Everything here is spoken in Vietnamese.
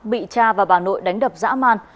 bị cha và bà nội đánh đập dã man